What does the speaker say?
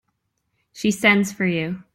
She sends for you.